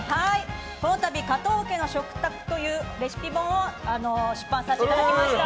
このたび「加藤家の食卓」というレシピ本を出版させていただきました。